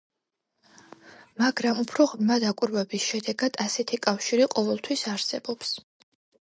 მაგრამ, უფრო ღრმა დაკვირვების შედეგად ასეთი კავშირი ყოველთვის არსებობს.